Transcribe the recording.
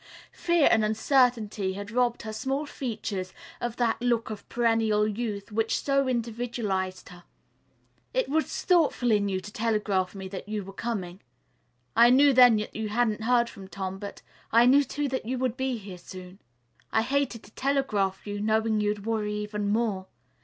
Fear and uncertainty had robbed her small features of that look of perennial youth which so individualized her. "It was thoughtful in you to telegraph me that you were coming. I knew then that you hadn't heard from Tom, but I knew, too, that you would soon be here." "I hated to telegraph you, knowing you'd worry even more.